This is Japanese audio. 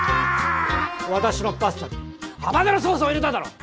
私のパスタにハバネロソースを入れただろう！